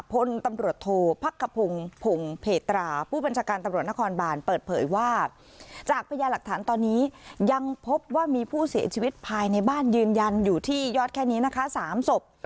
พลตำรวจโทษพักขพงศ์พงเพตราผู้บัญชาการตำรวจนครบานเปิดเผยว่าจากพญาหลักฐานตอนนี้ยังพบว่ามีผู้เสียชีวิตภายในบ้านยืนยันอยู่ที่ยอดแค่นี้นะคะ๓ศพ